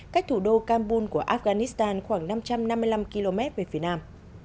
cách thủ đô kambul của afghanistan khoảng năm trăm năm mươi năm km về phía nam